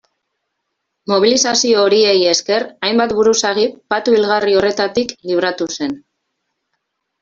Mobilizazio horiei esker hainbat buruzagi patu hilgarri horretatik libratu zen.